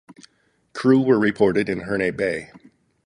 Crew were reported in Herne Bay.